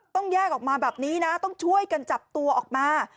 ต้องแยกออกมาแบบนี้นะต้องช่วยกันจับตัวออกมา